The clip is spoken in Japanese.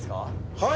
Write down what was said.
はい！